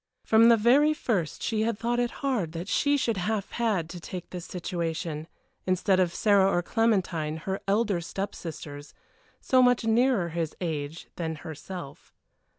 From the very first she had thought it hard that she should have had to take this situation, instead of Sarah or Clementine, her elder step sisters, so much nearer his age than herself.